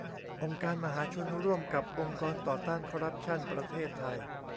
องค์การมหาชน ร่วมกับ องค์กรต่อต้านคอร์รัปชั่น ประเทศไทย